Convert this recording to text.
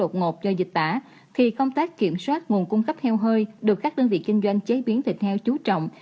theo dịch tả khi công tác kiểm soát nguồn cung cấp heo hơi được các đơn vị kinh doanh chế biến thịt heo chú trọng